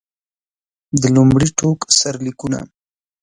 د لومړي ټوک سرلیکونه.